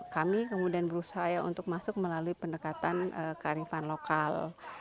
kami kemudian berusaha untuk masuk melalui pendekatan kearifan lokal